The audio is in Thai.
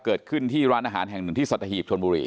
เกิดขึ้นที่ร้านอาหารแห่งหนึ่งที่สัตหีบชนบุรี